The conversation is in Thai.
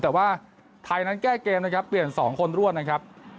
แต่ว่าไทยนั้นแก้เกมนะครับเปลี่ยน๒คนรวดนะครับ